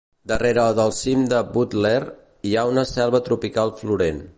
Darrere del cim de Butler, hi ha una selva tropical florent.